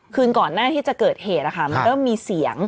คืนก่อนหน้าที่จะเกิดเหตุมันเริ่มมีเสียง